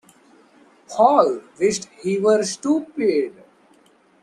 Paul wished he were stupid.